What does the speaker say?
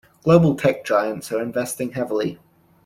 Global tech giants are investing heavily.